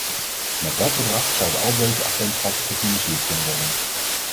Met dat bedrag zouden al deze agentschappen gefinancierd kunnen worden.